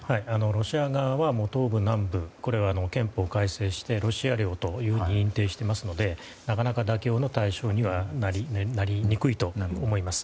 ロシア側は東部、南部を、憲法改正してロシア領と認定していますのでなかなか妥協の対象にはなりにくいと思います。